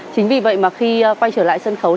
chính vì vậy mà khi quay trở lại sân khấu